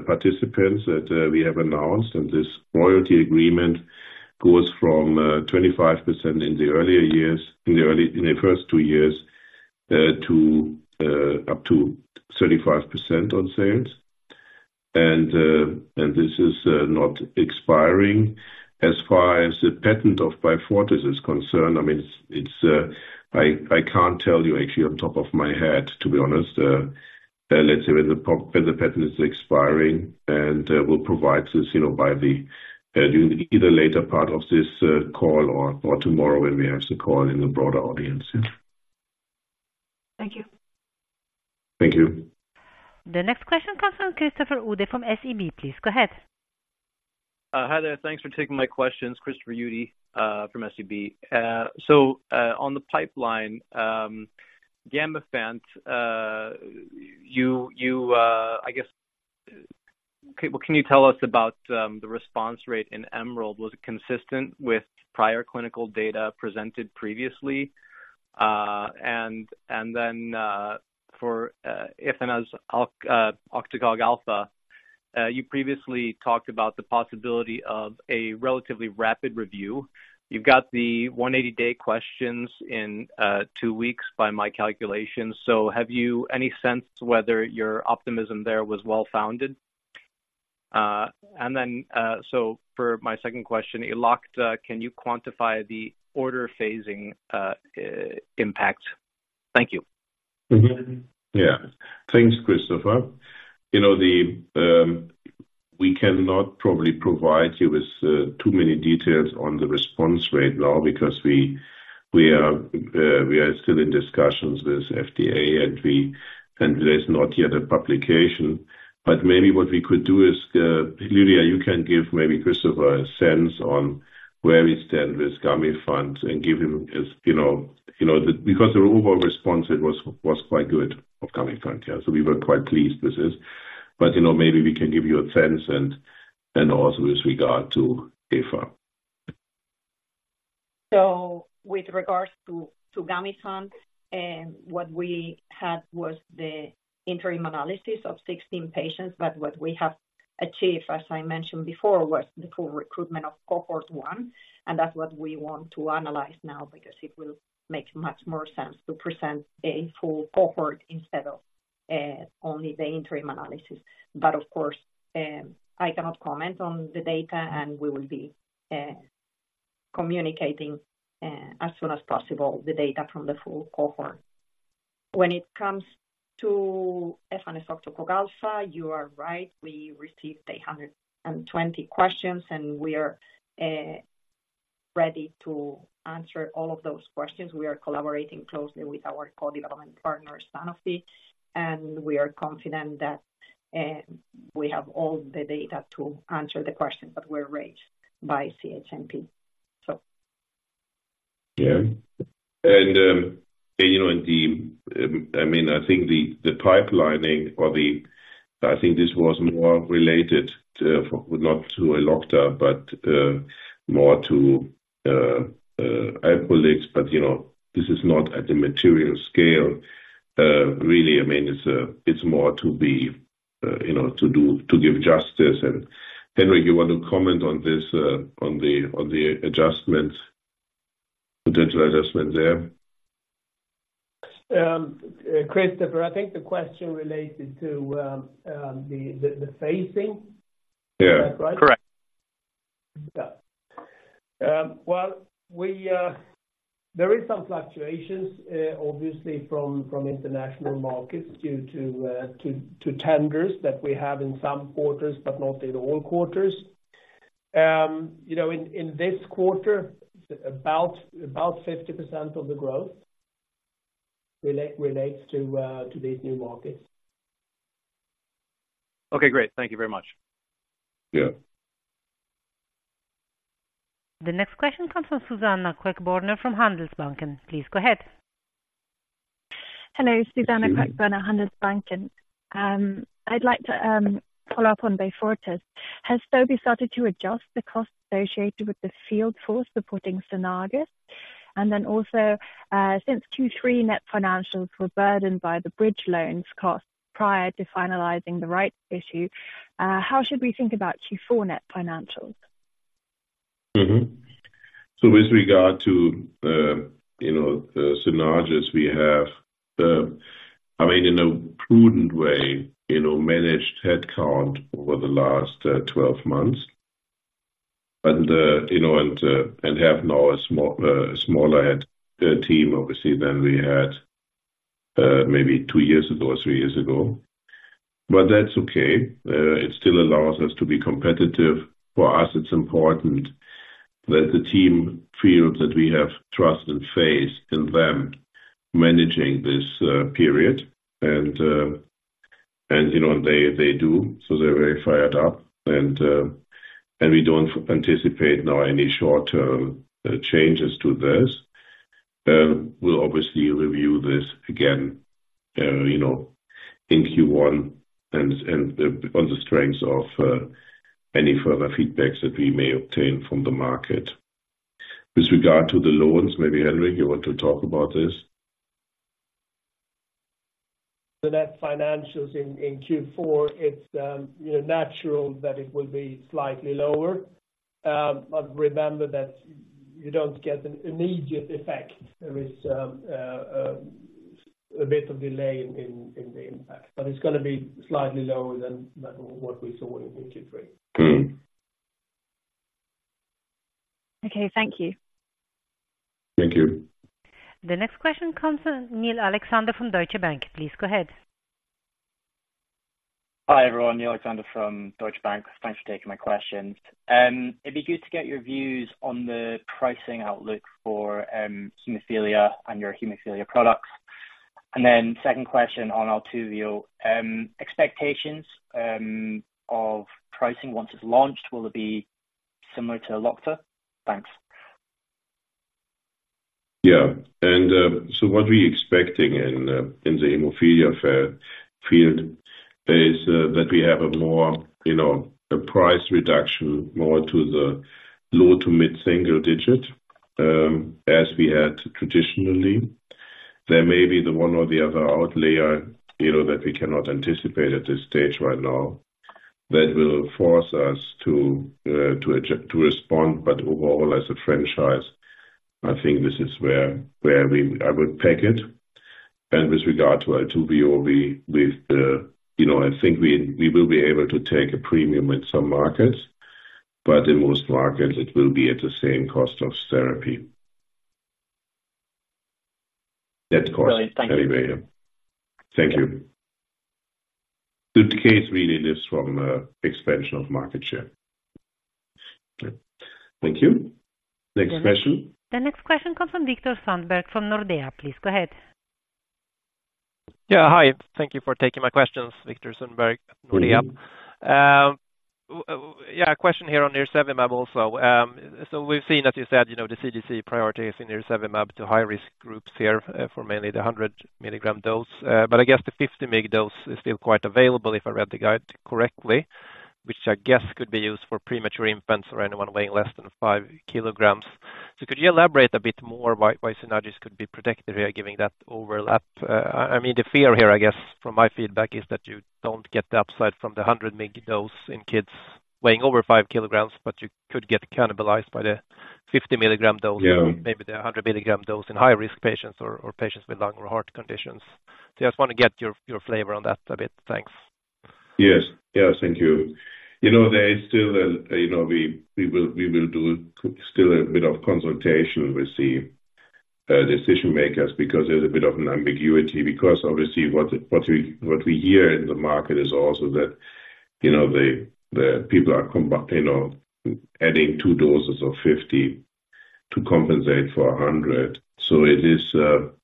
participants, that we have announced. And this royalty agreement goes from 25% in the earlier years, in the early, in the first two years, to up to 35% on sales. And, and this is not expiring. As far as the patent of Beyfortus is concerned, I mean, it's, it's, I, I can't tell you actually off the top of my head, to be honest, let's say, when the, when the patent is expiring, and, we'll provide this, you know, by the, either later part of this call or, or tomorrow when we have the call in a broader audience. Yeah. Thank you. Thank you. The next question comes from Christopher Uhde from SEB. Please go ahead. Hi there. Thanks for taking my questions. Christopher Uhde from SEB. On the pipeline, Gamifant, you I guess... Okay, well, can you tell us about the response rate in Emerald? Was it consistent with prior clinical data presented previously? For efanesoctocog alfa, you previously talked about the possibility of a relatively rapid review. You've got the 180-day questions in two weeks by my calculation. So have you any sense whether your optimism there was well-founded? For my second question, Elocta, can you quantify the order phasing impact? Thank you. Mm-hmm. Yeah. Thanks, Christopher. You know, the, we cannot probably provide you with too many details on the response rate now, because we are still in discussions with FDA, and there's not yet a publication. But maybe what we could do is, Lydia, you can give maybe Christopher a sense on where we stand with Gamifant and give him his, you know, you know, because the overall response it was quite good for Gamifant. Yeah, so we were quite pleased with this. But, you know, maybe we can give you a sense and also with regard to alpha. So with regards to Gamifant, and what we had was the interim analysis of 16 patients. But what we have achieved, as I mentioned before, was the full recruitment of cohort one, and that's what we want to analyze now, because it will make much more sense to present a full cohort instead of only the interim analysis. But of course, I cannot comment on the data, and we will be communicating as soon as possible, the data from the full cohort. When it comes to efanesoctocog alfa, you are right. We received 120 questions, and we are ready to answer all of those questions. We are collaborating closely with our co-development partner, Sanofi, and we are confident that we have all the data to answer the questions that were raised by CHMP, so. Yeah. You know, I mean, I think the pipelining or the... I think this was more related, not to Elocta, but more to Alprolix. You know, this is not at a material scale. Really, I mean, it's more to be, you know, to do, to give justice. Henrik, you want to comment on this, on the adjustment, potential adjustment there? Christopher, I think the question related to the phasing? Yeah. Is that right? Correct. Yeah. Well, we, there is some fluctuations, obviously from international markets due to, to tenders that we have in some quarters, but not in all quarters. You know, in this quarter, about 50% of the growth relates to these new markets. Okay, great. Thank you very much. Yeah. The next question comes from Susanna Queckborner from Handelsbanken. Please go ahead. Hello, Susanna Queckborner, Handelsbanken. I'd like to follow up on Beyfortus. Has Sobi started to adjust the costs associated with the field force supporting synergies? And then also, since Q3 net financials were burdened by the bridge loans costs prior to finalizing the rights issue, how should we think about Q4 net financials? Mm-hmm. With regard to, you know, Synagis, we have, I mean, in a prudent way, you know, managed headcount over the last 12 months. You know, and have now a smaller head, team, obviously, than we had, maybe two years ago or three years ago. That's okay. It still allows us to be competitive. For us, it's important that the team feels that we have trust and faith in them managing this, period. You know, they do, so they're very fired up. We don't anticipate now any short-term, changes to this. We'll obviously review this again, you know, in Q1, and on the strengths of any further feedbacks that we may obtain from the market. With regard to the loans, maybe, Henrik, you want to talk about this? The net financials in Q4, it's you know natural that it will be slightly lower. But remember that you don't get an immediate effect. There is a bit of delay in the impact, but it's going to be slightly lower than what we saw in Q3. Mm-hmm. Okay. Thank you. Thank you. The next question comes from Neil Alexander from Deutsche Bank. Please go ahead. Hi, everyone, Neil Alexander from Deutsche Bank. Thanks for taking my questions. It'd be good to get your views on the pricing outlook for hemophilia and your hemophilia products. And then second question on Altuviiio. Expectations of pricing once it's launched, will it be similar to Elocta? Thanks. Yeah. What we're expecting in the hemophilia field is that we have a more, you know, a price reduction, more to the low to mid-single digit, as we had traditionally. There may be the one or the other outlier, you know, that we cannot anticipate at this stage right now, that will force us to object, to respond, but overall, as a franchise, I think this is where, where we—I would peg it. with regard to Altuviiio, with the, you know, I think we will be able to take a premium in some markets, but in most markets it will be at the same cost of therapy. That's cost anyway. Thank you. The case really lives from, you know, expansion of market share. Okay. Thank you. Next question. The next question comes from Victor Sandberg, from Nordea. Please go ahead. Yeah, hi. Thank you for taking my questions. Victor Sandberg, Nordea. Yeah, a question here on nirsevimab also. So we've seen, as you said, you know, the CDC priorities in nirsevimab to high-risk groups here for mainly the 100 milligram dose. But I guess the 50 mg dose is still quite available, if I read the guide correctly, which I guess could be used for premature infants or anyone weighing less than 5 kilograms. So could you elaborate a bit more why, why synergies could be protected via giving that overlap? I mean, the fear here, I guess, from my feedback, is that you don't get the upside from the 100 mg dose in kids weighing over 5 kilograms, but you could get cannibalized by the 50 milligram dose- Yeah. Maybe the 100 milligram dose in high-risk patients or, or patients with lung or heart conditions. So I just want to get your, your flavor on that a bit. Thanks. Yes. Yes, thank you. You know, there is still a, you know, we will do still a bit of consultation with the decision makers, because there's a bit of an ambiguity, because obviously, what we hear in the market is also that, you know, the people are, you know, adding two doses of 50 to compensate for 100. So it is, you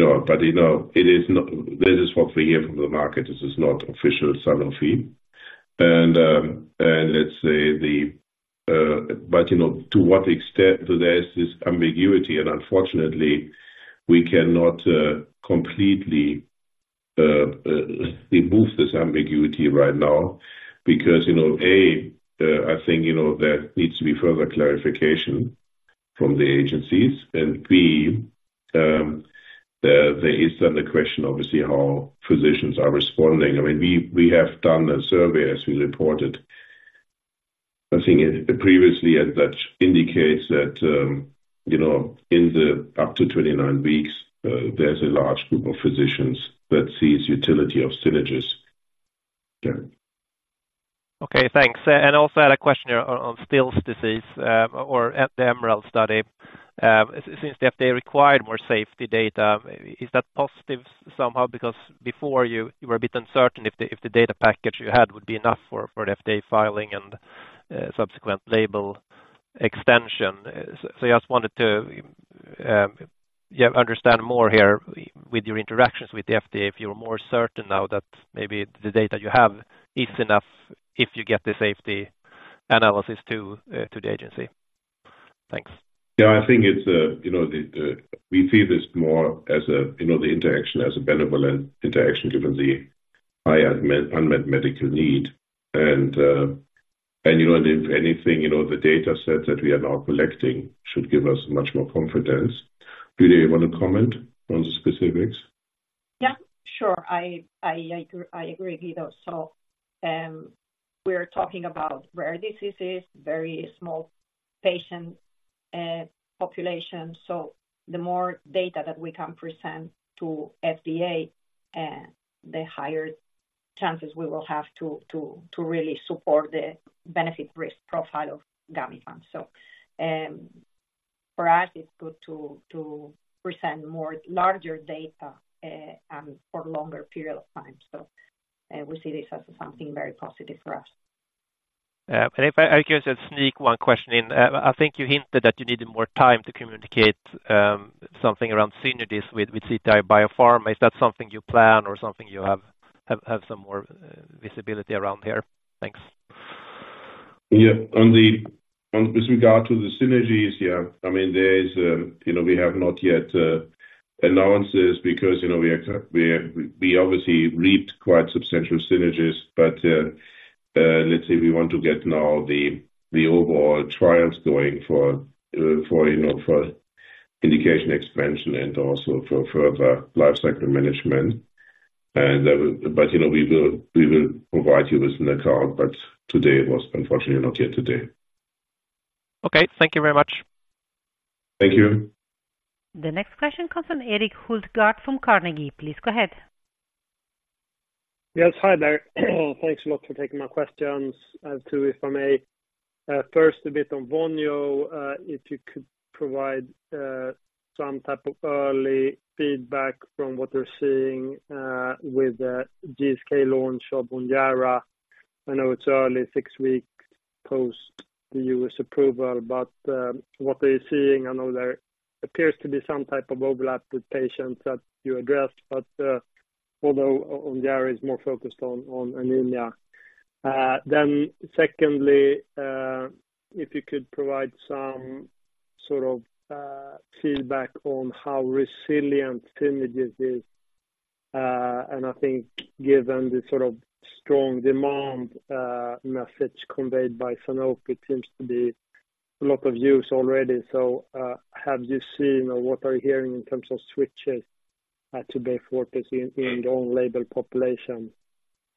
know, but, you know, it is not... This is what we hear from the market. This is not official Sanofi. And, and let's say, but, you know, to what extent there is this ambiguity, and unfortunately, we cannot completely remove this ambiguity right now, because, you know, I think, you know, there needs to be further clarification from the agencies. And B, there is then the question, obviously, how physicians are responding. I mean, we, we have done a survey, as we reported, I think it previously, and that indicates that, you know, in the up to 29 weeks, there's a large group of physicians that sees utility of synergies. Yeah. Okay, thanks. I also had a question here on Still's disease, or at the Emerald study. Since the FDA required more safety data, is that positive somehow? Because before, you were a bit uncertain if the data package you had would be enough for the FDA filing and subsequent label extension. I just wanted to, yeah, understand more here with your interactions with the FDA, if you're more certain now that maybe the data you have is enough, if you get the safety analysis to the agency. Thanks. Yeah, I think it's a, you know, we see this more as a, you know, the interaction, as a benevolent interaction, given the high unmet medical need. And, you know, if anything, you know, the data set that we are now collecting should give us much more confidence. Do you want to comment on the specifics? Yeah, sure. I agree, Guido. So, we're talking about rare diseases, very small patient population. So the more data that we can present to FDA, the higher chances we will have to really support the benefit risk profile of Gamifant. So, for us, it's good to present more larger data, and for longer period of time. So, we see this as something very positive for us. Yeah. If I guess, I'll sneak one question in. I think you hinted that you needed more time to communicate something around synergies with CTI BioPharma. Is that something you plan or something you have some more visibility around here? Thanks. Yeah. On the, on with regard to the synergies, yeah, I mean, there is a, you know, we have not yet announced this because, you know, we are, we obviously reaped quite substantial synergies. But, let's say we want to get now the, the overall trials going for, you know, for indication expansion and also for further lifecycle management. But, you know, we will provide you with an account, but today it was unfortunately not yet today. Okay, thank you very much. Thank you. The next question comes from Erik Hultgaard from Carnegie. Please go ahead. Yes, hi there. Thanks a lot for taking my questions, and two, if I may. First, a bit on Vonjo. If you could provide some type of early feedback from what you're seeing with the GSK launch of Ojjaara. I know it's early, six weeks post the U.S. approval, but what are you seeing? I know there appears to be some type of overlap with patients that you addressed, but although Ojjaara is more focused on anemia. Then secondly, if you could provide some sort of feedback on how resilient synergies is. And I think given the sort of strong demand message conveyed by Sanofi, it seems to be a lot of use already. Have you seen or what are you hearing in terms of switches to the forward season in your on-label population?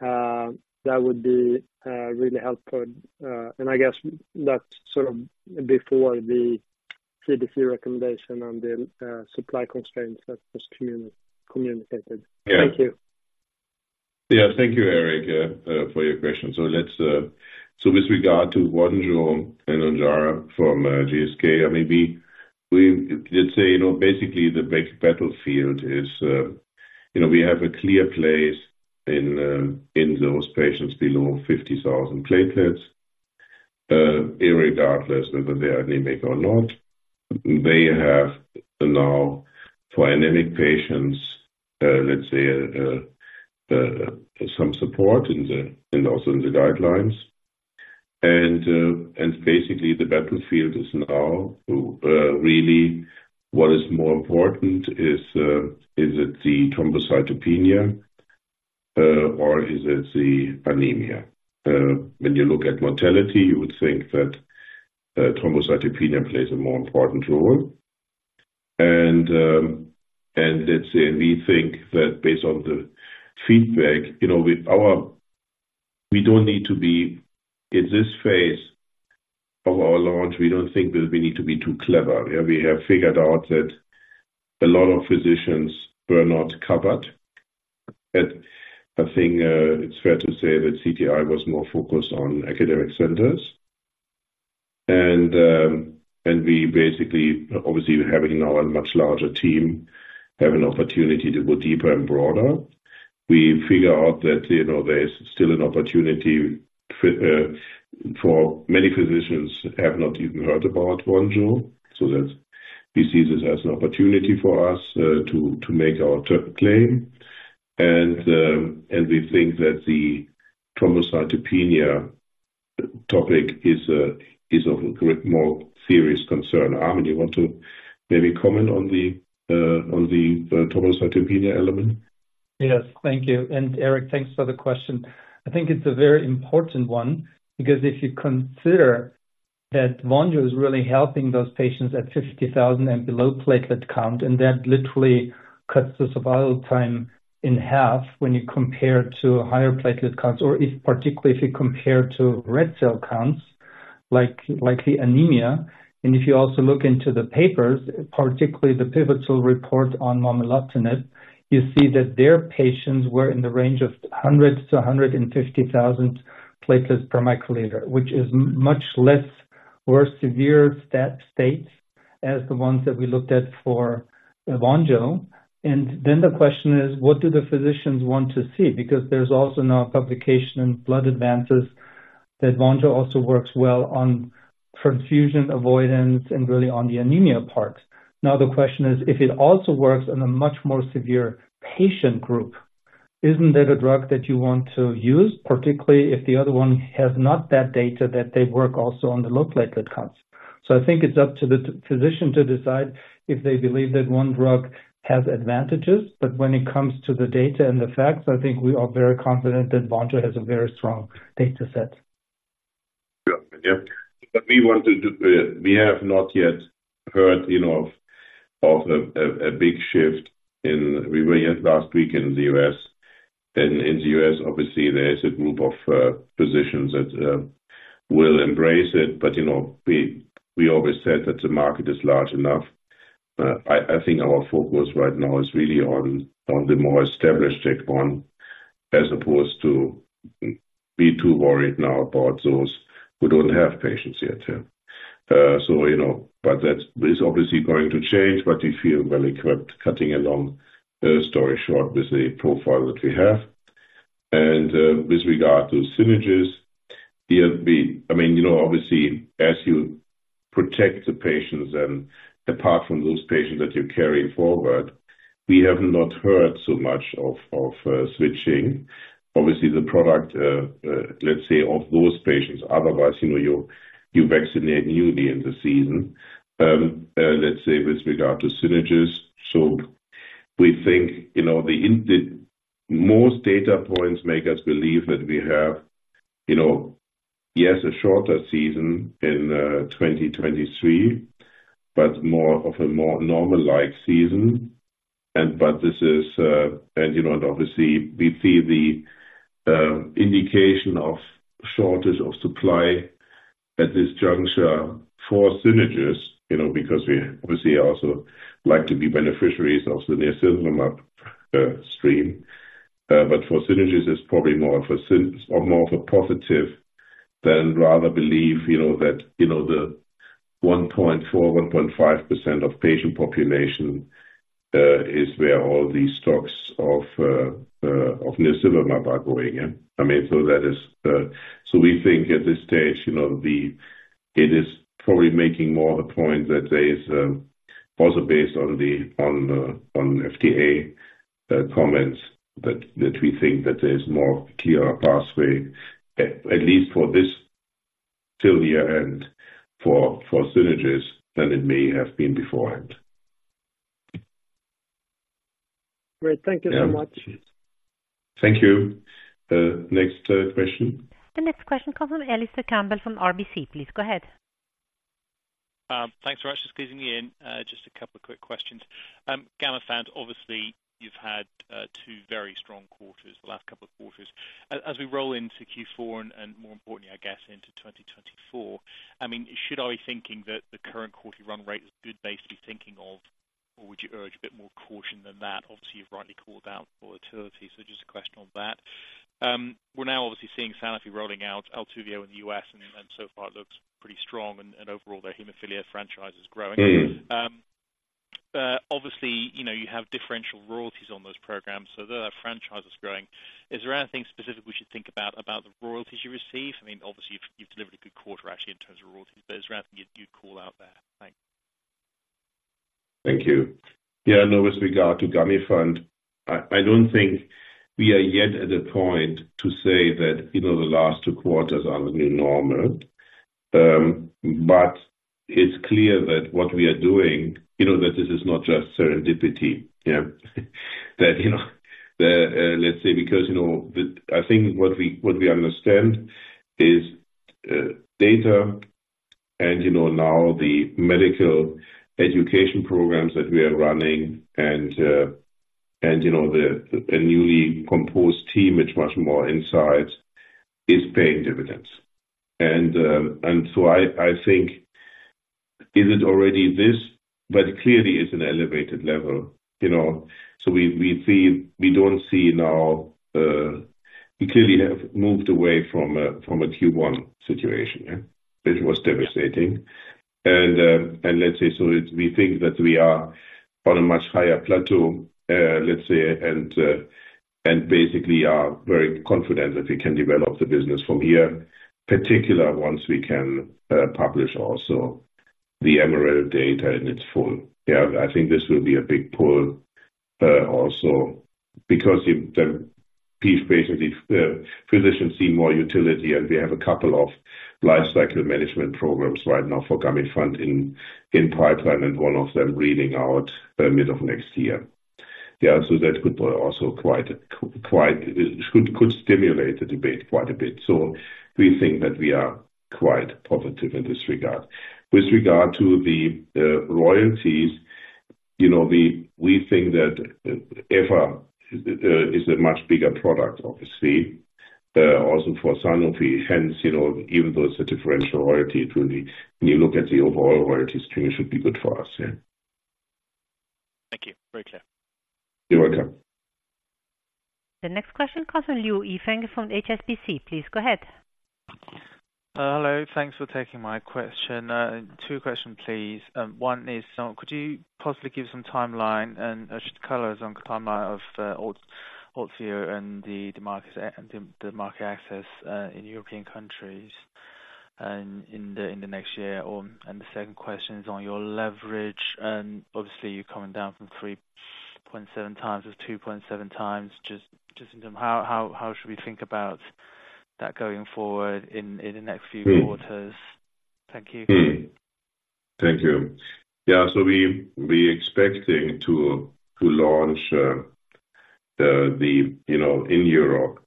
That would be really helpful. And I guess that's sort of before the CDC recommendation on the supply constraints that was communicated. Yeah. Thank you. Yeah, thank you, Erik, for your question. So let's... So with regard to VONJO and Ojjaara from GSK, I maybe, we, let's say, you know, basically, the big battlefield is, you know, we have a clear place in, in those patients below 50,000 platelets, irregardless whether they are anemic or not. They have now, for anemic patients, let's say, some support in the, in also in the guidelines. And, and basically, the battlefield is now, really what is more important is, is it the thrombocytopenia, or is it the anemia? When you look at mortality, you would think that, thrombocytopenia plays a more important role. We think that based on the feedback, you know, with our-- we don't need to be, in this phase of our launch, we don't think that we need to be too clever. We have figured out that a lot of physicians were not covered. I think it's fair to say that CTI was more focused on academic centers. We basically, obviously, having now a much larger team, have an opportunity to go deeper and broader. We figure out that, you know, there is still an opportunity for many physicians who have not even heard about Vonjo, so we see this as an opportunity for us to make our claim. We think that the thrombocytopenia topic is of more serious concern. Armin, you want to maybe comment on the, on the thrombocytopenia element? Yes, thank you. Eric, thanks for the question. I think it's a very important one, because if you consider that VONJO is really helping those patients at 50,000 and below platelet count, and that literally cuts the survival time in half when you compare to higher platelet counts, or if, particularly if you compare to red cell counts, like, like anemia. If you also look into the papers, particularly the pivotal report on momelotinib, you see that their patients were in the range of 100-150,000 platelets per microliter, which is much less or severe state as the ones that we looked at for VONJO. The question is: What do the physicians want to see? Because there's also now a publication in Blood Advances, that VONJO also works well on transfusion avoidance and really on the anemia parts. Now, the question is, if it also works on a much more severe patient group, isn't that a drug that you want to use, particularly if the other one has not that data, that they work also on the low platelet counts? So I think it's up to the physician to decide if they believe that one drug has advantages. But when it comes to the data and the facts, I think we are very confident that Vonjo has a very strong data set. Yeah. We have not yet heard, you know, of a big shift in, we were yet last week in the US. In the US, obviously, there is a group of physicians that will embrace it. But, you know, we always said that the market is large enough. I think our focus right now is really on the more established checkpoint, as opposed to be too worried now about those who don't have patients yet. You know, that is obviously going to change, but we feel well equipped, cutting a long story short with the profile that we have. With regard to synergies, we have, we, I mean, you know, obviously, as you protect the patients and apart from those patients that you're carrying forward, we have not heard so much of, of, you know, switching. Obviously, the product, let's say, of those patients, otherwise, you know, you, you vaccinate newly in the season. Let's say, with regard to synergies, so we think, you know, the in the most data points make us believe that we have, you know, yes, a shorter season in 2023, but more of a more normal like season. This is, you know, and obviously, we see the indication of shortage of supply at this juncture for synergies, you know, because we obviously also like to be beneficiaries of the nirsevimab stream. For synergies, it's probably more of a sym-- or more of a positive than rather believe, you know, that, you know, the 1.4, 1.5% of patient population is where all these stocks of nirsevimab are going, yeah. I mean, that is, we think at this stage, you know, it is probably making more a point that there is, also based on the FDA comments, that we think that there is more clear pathway, at least for this till the end, for synergies than it may have been beforehand. Great. Thank you so much. Thank you. Next question. The next question comes from Alistair Campbell, from RBC. Please go ahead. Thanks very much for squeezing me in. Just a couple of quick questions. Gamifant, obviously, you've had two very strong quarters, the last couple of quarters. As we roll into Q4 and, more importantly, I guess, into 2024, I mean, should I be thinking that the current quarter run rate is a good base to be thinking of, or would you urge a bit more caution than that? Obviously, you've rightly called out volatility, so just a question on that. We're now obviously seeing Sanofi rolling out Altuviiio in the US, and so far it looks pretty strong and overall their hemophilia franchise is growing. Obviously, you know, you have differential royalties on those programs, so though that franchise is growing, is there anything specific we should think about, about the royalties you receive? I mean, obviously, you've, you've delivered a good quarter, actually, in terms of royalties, but is there anything you'd, you'd call out there? Thanks. Thank you. Yeah, no, with regard to Gamifant, I don't think we are yet at a point to say that, you know, the last 2 quarters are the new normal. Yeah, it's clear that what we are doing, you know, that this is not just serendipity, yeah. That, you know, that, let's say because, you know, the—I think what we, what we understand is, data and, you know, now the medical education programs that we are running and, you know, a newly composed team, with much more insights, is paying dividends. I think, is it already this? Clearly, it's an elevated level, you know. We see, we don't see now, we clearly have moved away from a Q1 situation, yeah, which was devastating. let's say, so we think that we are on a much higher plateau, let's say, and basically are very confident that we can develop the business from here, particularly once we can publish also the Emerald data in its full. Yeah, I think this will be a big pull, also because if the patients, if physicians see more utility, and we have a couple of life cycle management programs right now for Gamifant in the pipeline, and one of them reading out mid of next year. Yeah, so that could also quite stimulate the debate quite a bit. So we think that we are quite positive in this regard. With regard to the royalties, you know, we think that Efa is a much bigger product, obviously, also for Sanofi. Hence, you know, even though it's a differential royalty, it will be, when you look at the overall royalty stream, it should be good for us, yeah. Thank you. Very clear. You're welcome. The next question comes from Liu Yifeng from HSBC. Please go ahead. Hello, thanks for taking my question. Two questions, please. One is, so could you possibly give some timeline and just colors on the timeline of Altuviiio and the market and the market access in European countries and in the next year? And the second question is on your leverage, and obviously, you're coming down from 3.7 times to 2.7 times. Just in terms, how should we think about that going forward in the next few quarters? Thank you. Thank you. Yeah, so we expecting to launch in Europe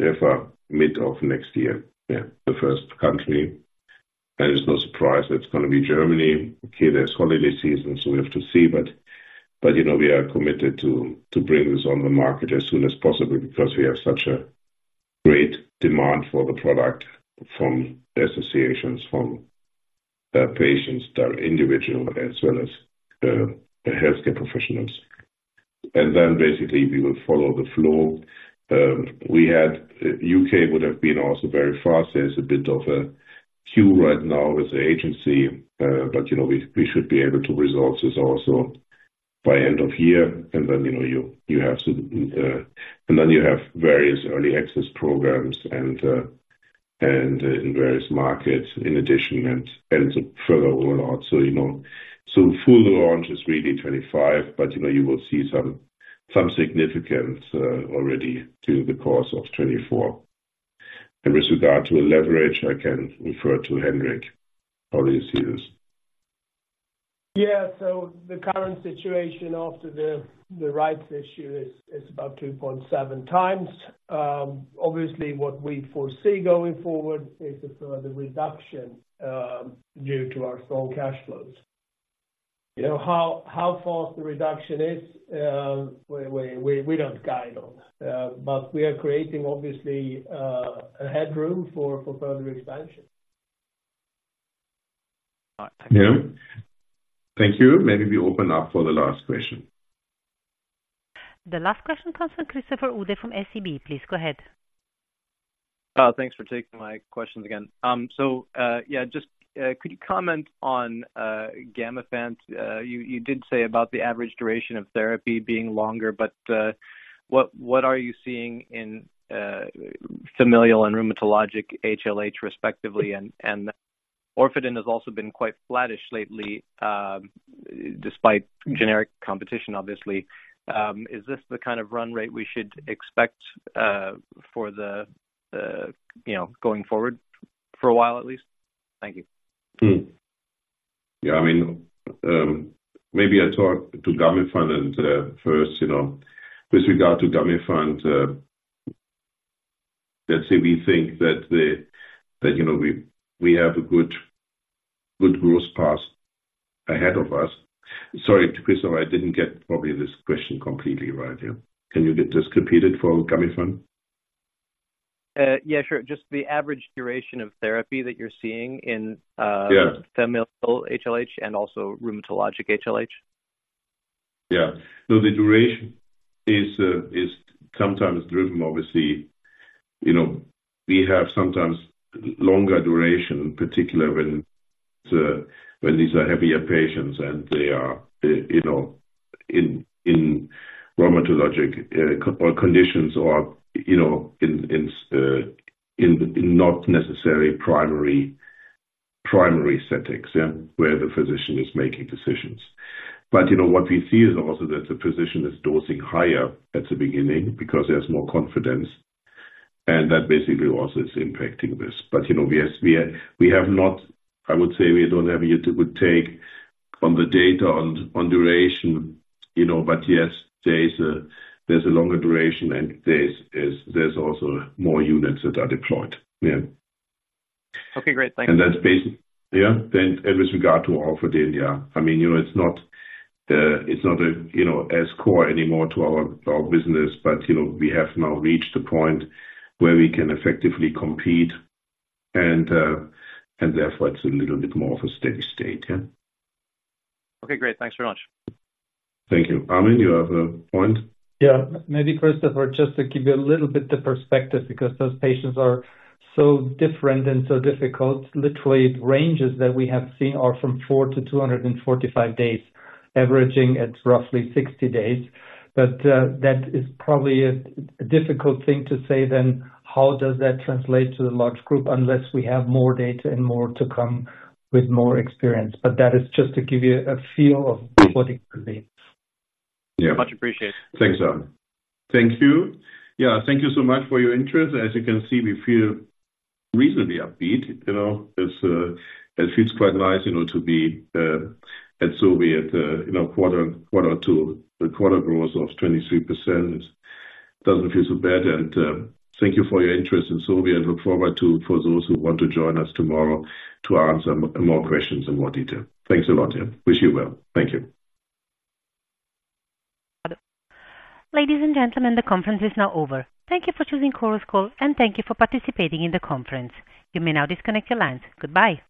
Efa mid of next year. Yeah, the first country, and it's no surprise that it's going to be Germany. Okay, there's holiday season, so we have to see, but you know, we are committed to bring this on the market as soon as possible because we have such a great demand for the product from associations, from patients that are individual as well as the healthcare professionals. And then basically, we will follow the flow. We had UK would have been also very fast. There's a bit of a queue right now with the agency, but you know, we should be able to resolve this also by end of year. And then, you know, you have to, and then you have various early access programs and, and in various markets in addition, and, and so further on. So, you know, so full launch is really 2025, but, you know, you will see some, some significance, already through the course of 2024. And with regard to leverage, I can refer to Henrik. How do you see this? Yeah, so the current situation after the rights issue is about 2.7 times. Obviously, what we foresee going forward is a further reduction due to our strong cash flows. You know, how fast the reduction is, we don't guide on, but we are creating, obviously, a headroom for further expansion. All right. Yeah. Thank you. Maybe we open up for the last question. The last question comes from Christopher Uhde from SEB. Please go ahead. Thanks for taking my questions again. So, yeah, just, could you comment on Gamifant? You, you did say about the average duration of therapy being longer, but, what, what are you seeing in familial and rheumatologic HLH, respectively? And Orfadin has also been quite flattish lately, despite generic competition, obviously. Is this the kind of run rate we should expect for the, you know, going forward for a while, at least? Thank you. Yeah, I mean, maybe I talk to Gamifant and first, you know, with regard to Gamifant. Let's say we think that you know, we have a good growth path ahead of us. Sorry, Christopher, I didn't get probably this question completely right here. Can you get this repeated for Gamifant? Yeah, sure. Just the average duration of therapy that you're seeing in, Yeah. Familial HLH and also rheumatologic HLH. Yeah. So the duration is sometimes driven, obviously, you know, we have sometimes longer duration, particularly when these are heavier patients and they are, you know, in rheumatologic or conditions or, you know, in not necessarily primary settings, yeah, where the physician is making decisions. But, you know, what we see is also that the physician is dosing higher at the beginning because there's more confidence, and that basically also is impacting this. But, you know, we have not... I would say we don't have a good take on the data on duration, you know. But yes, there is a, there's a longer duration and there's also more units that are deployed. Yeah. Okay, great. Thank you. That's basic. Yeah, and with regard to Orfadin, yeah. I mean, you know, it's not, you know, as core anymore to our business, but, you know, we have now reached a point where we can effectively compete, and therefore it's a little bit more of a steady state, yeah. Okay, great. Thanks very much. Thank you. Armin, you have a point? Yeah. Maybe, Christopher, just to give you a little bit the perspective, because those patients are so different and so difficult. Literally, ranges that we have seen are from 4-245 days, averaging at roughly 60 days. But, that is probably a difficult thing to say then, how does that translate to the large group? Unless we have more data and more to come with more experience. But that is just to give you a feel of what it could be. Yeah. Much appreciated. Thanks, Armin. Thank you. Yeah, thank you so much for your interest. As you can see, we feel reasonably upbeat, you know. It feels quite nice, you know, to be at Sobi at, you know, quarter, quarter or two. The quarter growth of 23% doesn't feel so bad. Thank you for your interest in Sobi, and look forward to, for those who want to join us tomorrow to answer more questions in more detail. Thanks a lot, yeah. Wish you well. Thank you. Ladies and gentlemen, the conference is now over. Thank you for choosing Chorus Call, and thank you for participating in the conference. You may now disconnect your lines. Goodbye.